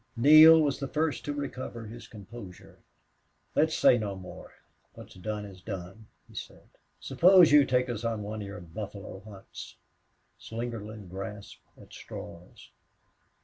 Neale was the first to recover his composure. "Let's say no more. What's done is done," he said. "Suppose you take us on one of your buffalo hunts." Slingerland grasped at straws.